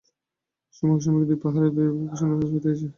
সমুখাসমুখি দুই পাহাড়ের উপর দুই পক্ষের সৈন্য স্থাপিত হইয়াছে।